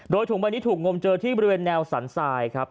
ถุงใบนี้ถูกงมเจอที่บริเวณแนวสันทรายครับ